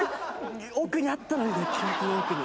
奥にあったのに記憶の奥に。